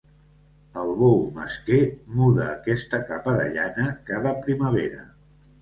El bou mesquer muda aquesta capa de llana cada primavera.